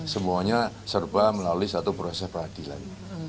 semuanya serba melalui satu proses peradilan